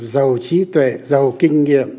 giàu trí tuệ giàu kinh nghiệm